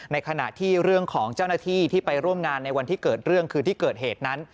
ในขณะที่เรื่องของเจ้าหน้าที่ที่ไปร่วมงานในวันที่เกิดเรื่องคืนที่เกิดเหตุนั้น